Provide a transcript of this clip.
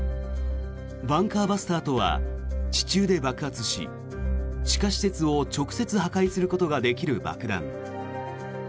バンカーバスターとは地中で爆発し地下施設を直接破壊できる爆弾。